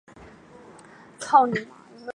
美国有两个层次的认证机构。